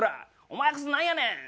「お前こそなんやねん！」。